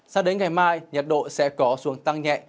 sao đến ngày mai nhiệt độ sẽ có xuống tăng nhẹ